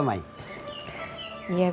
gak ada ulang